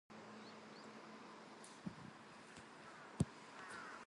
The film is an adapted from the playwright by Roberto Ramos Perea, Ulpiano's nephew.